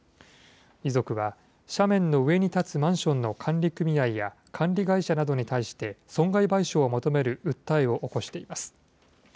遺族は、斜面の上に建つマンションの管理組合や管理会社などに対して、損害賠償を求める訴えを起こしています。